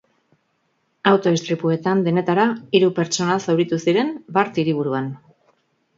Auto istripuetan denetara hiru pertsona zauritu ziren bart hiriburuan.